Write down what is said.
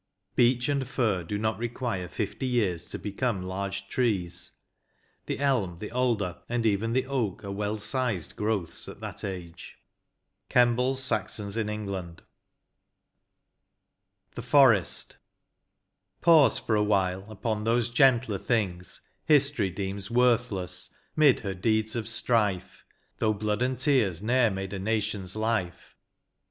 Beech and fir do not require fifty years to become large trees; the elm, the alder, and even the oak, are well sized growths at that age." — Kembles " Saxons in Eng land." 167 LXXVIII. THE FOREST. Pause for a while upon those gentler things History deems worthless 'mid her deeds of strife (Though hlood and tears ne'er made a nation's Hfe).